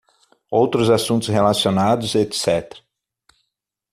Outros assuntos relacionados, etc.